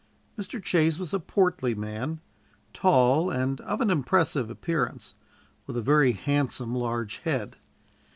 Mr. Chase was a portly man; tall, and of an impressive appearance, with a very handsome, large head.